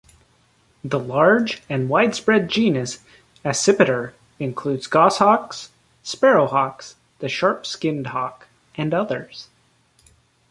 The large and widespread genus "Accipiter" includes goshawks, sparrowhawks, the sharp-shinned hawk and others.